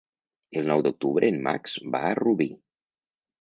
El nou d'octubre en Max va a Rubí.